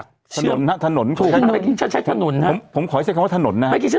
คือคุณพยายามตอนนี้ว่า